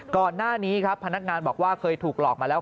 ก่อนหน้านี้ครับพนักงานบอกว่าเคยถูกหลอกมาแล้ว